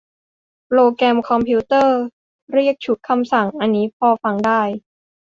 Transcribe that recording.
โปรแกรมคอมพิวเตอร์ เรียกชุดคำสั่ง อันนี้พอฟังได้